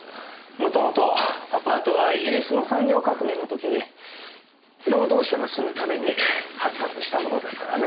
元々アパートはイギリスの産業革命の時に労働者が住むために発達したものですからね。